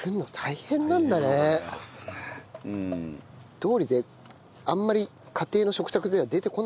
どうりであんまり家庭の食卓では出てこないわけだ。